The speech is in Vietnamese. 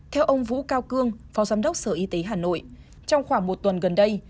theo ông vũ cao cương phó giám đốc sở y tế hà nội trong khoảng một tuần gần đây